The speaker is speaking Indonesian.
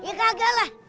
iya kagak lah